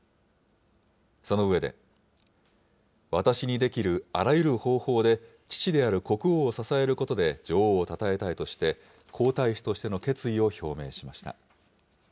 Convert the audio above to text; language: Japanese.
その上で、私にできるあらゆる方法で、父である国王を支えることで女王をたたえたいとして、皇太子としての決意を表明しました。